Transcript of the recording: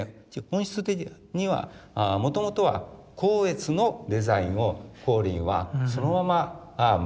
本質的にはもともとは光悦のデザインを光琳はそのまま用いてですね